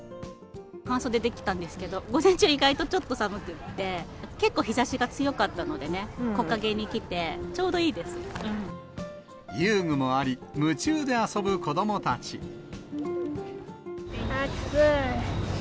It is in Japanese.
半袖で来たんですけど、午前中、意外とちょっと寒くって、結構、日ざしが強かったのでね、木陰に来て、遊具もあり、夢中で遊ぶ子どあっつい。